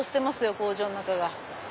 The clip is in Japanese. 工場の中が。